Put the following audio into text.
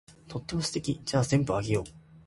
とっても素敵。じゃあ全部あげよう。